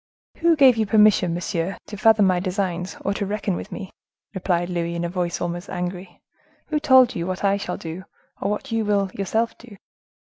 "Who gave you permission, monsieur, to fathom my designs, or to reckon with me?" replied Louis, in a voice almost angry; "who told you what I shall do or what you will yourself do?"